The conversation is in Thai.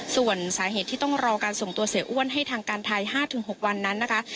ส่วนสาเหตุที่ต้องรอการส่งตัวเสียอ้วนให้ทางการไทย๕๖วันนั้นนะคะ